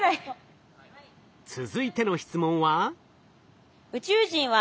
続いての質問は？